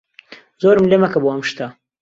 زۆرم لێ مەکە بۆ ئەم شتە.